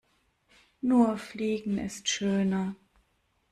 Nur Fliegen ist schöner.